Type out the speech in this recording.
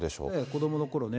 子どものころね。